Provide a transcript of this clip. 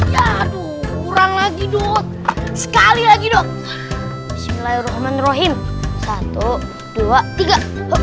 ya aduh kurang lagi dot sekali lagi doh bismillahirrohmanirrohim satu dua tiga